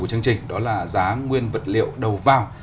của chương trình đó là giá nguyên vật liệu đầu vào